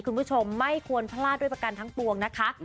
คุณผู้ชมไม่ควรพลาดด้วยประกันทั้งปวงนะคะ